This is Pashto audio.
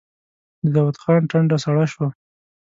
د داوود خان ټنډه سړه شوه.